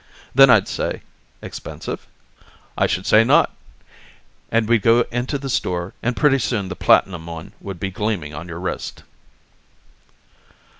Then I'd say: 'Expensive? I should say not!' And we'd go into the store and pretty soon the platinum one would be gleaming on your wrist."